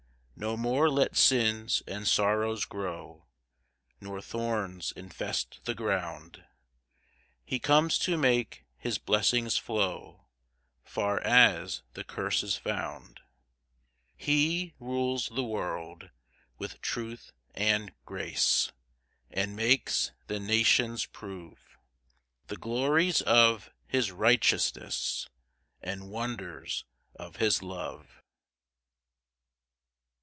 3 No more let sins and sorrows grow, Nor thorns infest the ground; He comes to make his blessings flow Far as the curse is found. 4 He rules the world with truth and grace, And makes the nations prove The glories of his righteousness, And wonders of his love.